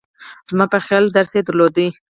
زما په خیال درس یې درلود.